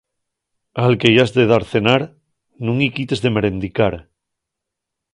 Al que-y has dar de cenar, nun-y quites de merendicar.